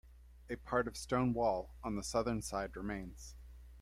A part of stone wall on the Southern side remains.